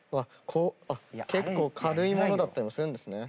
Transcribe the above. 結構軽い物だったりもするんですね。